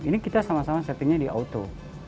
ini kita sama sama settingnya di auto